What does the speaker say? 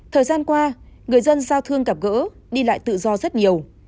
thời gian qua người dân giao thương gặp gỡ đi lại tự do rất nhiều